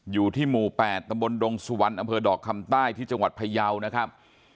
อยู่ที่หมู่๘ตำบลดงสุวรรณอำเภอดอกคำใต้ที่จังหวัดพยาวนะครับ